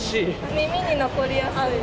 耳に残りやすい。